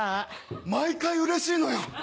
毎回うれしいのよ！